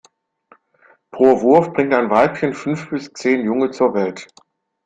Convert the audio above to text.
Pro Wurf bringt ein Weibchen fünf bis zehn Junge zur Welt.